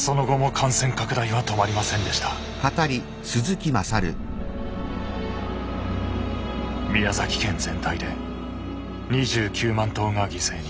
宮崎県全体で２９万頭が犠牲に。